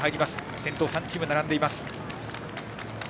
先頭３チーム並んでいます。